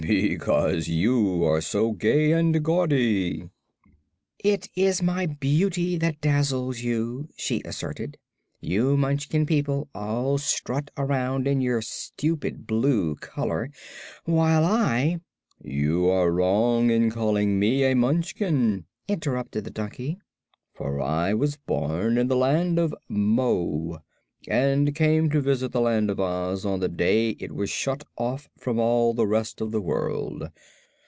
"Because you are so gay and gaudy." "It is my beauty that dazzles you," she asserted. "You Munchkin people all strut around in your stupid blue color, while I " "You are wrong in calling me a Munchkin," interrupted the donkey, "for I was born in the Land of Mo and came to visit the Land of Oz on the day it was shut off from all the rest of the world.